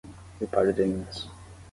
Rio Pardo de Minas